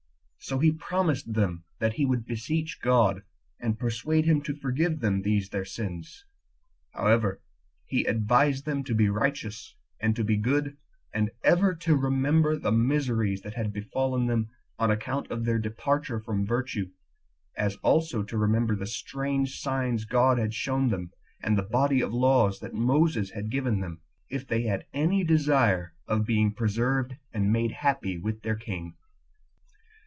So he promised them that he would beseech God, and persuade him to forgive them these their sins. However, he advised them to be righteous, and to be good, and ever to remember the miseries that had befallen them on account of their departure from virtue: as also to remember the strange signs God had shown them, and the body of laws that Moses had given them, if they had any desire of being preserved and made happy with their king.